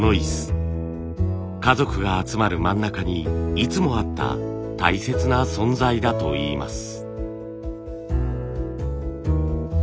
家族が集まる真ん中にいつもあった大切な存在だといいます。